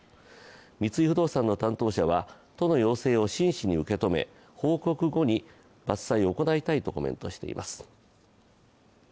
三井不動産の担当者は、都の要請を真摯に受け止め報告後に伐採を行いたいとコメントしています。